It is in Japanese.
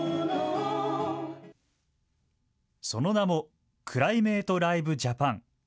その名もクライメイト・ライブ・ジャパン。